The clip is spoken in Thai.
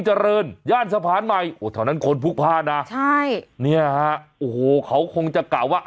เจริญย่านสะพานใหม่โอ้เท่านั้นคนพลุกพลาดนะใช่เนี่ยฮะโอ้โหเขาคงจะกล่าวว่า